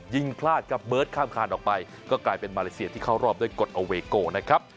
พลาดครับเบิร์ตข้ามคานออกไปก็กลายเป็นมาเลเซียที่เข้ารอบด้วยกฎอเวโกนะครับ